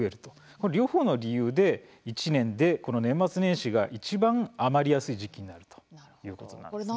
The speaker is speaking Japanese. この両方の理由で１年でこの年末年始がいちばん余りやすい時期になるということになるんですね。